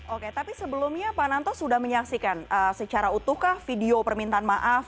oke tapi sebelumnya pak nanto sudah menyaksikan secara utuh kah video permintaan maaf